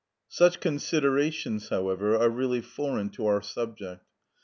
Such considerations, however, are really foreign to our subject.